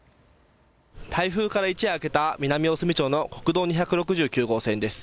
台風から一夜明けた南大隅町の国道２６９号線です。